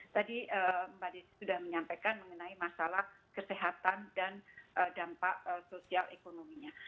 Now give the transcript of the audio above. tadi mbak desi sudah menyampaikan mengenai masalah kesehatan dan dampak sosial ekonominya